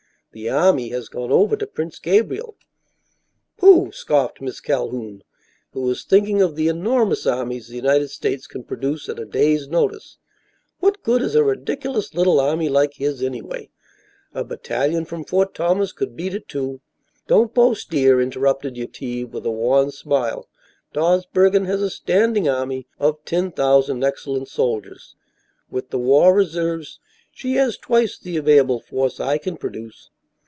The army has gone over to Prince Gabriel." "Pooh!" scoffed Miss Calhoun, who was thinking of the enormous armies the United States can produce at a day's notice. "What good is a ridiculous little army like his, anyway? A battalion from Fort Thomas could beat it to " "Don't boast, dear," interrupted Yetive, with a wan smile. "Dawsbergen has a standing army of ten thousand excellent soldiers. With the war reserves she has twice the available force I can produce."